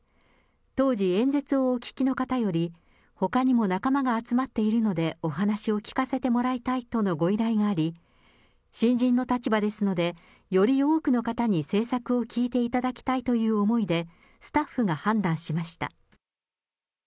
当時、演説をお聞きの方より、ほかにも仲間が集まっているのでお話を聞かせてもらいたいとのご依頼があり、新人の立場ですので、より多くの方に政策を聞いていただきたいという思いでスタッフが判断しました。